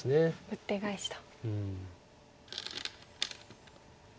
ウッテガエシと。